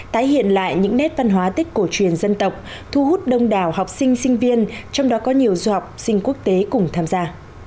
tái hiện lại những nét văn hóa tết cổ truyền dân tộc thu hút đông đảo học sinh sinh viên trong đó có nhiều du học sinh quốc tế cùng tham gia